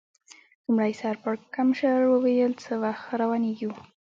لومړي سر پړکمشر وویل: څه وخت روانېږو؟